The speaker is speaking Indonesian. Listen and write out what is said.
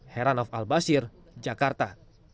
heran of al basir jakarta